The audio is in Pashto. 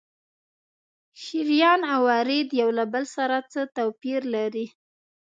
شریان او ورید یو له بل سره څه توپیر لري؟